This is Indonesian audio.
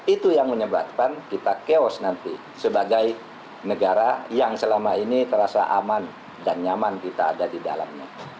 itu yang menyebabkan kita chaos nanti sebagai negara yang selama ini terasa aman dan nyaman kita ada di dalamnya